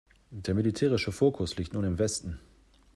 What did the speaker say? Der militärische Fokus liegt nun im Westen.